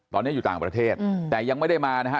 ตอนนี้อยู่ต่างประเทศแต่ยังไม่ได้มานะฮะ